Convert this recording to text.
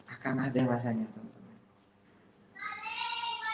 akan ada masanya temen temen